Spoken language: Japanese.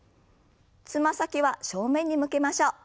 つま先は正面に向けましょう。